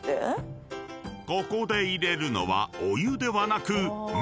［ここで入れるのはお湯ではなく］